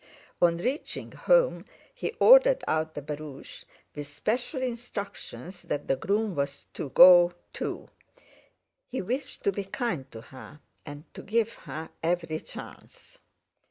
On reaching home, he ordered out the barouche, with special instructions that the groom was to go too. He wished to be kind to her, and to give her every chance.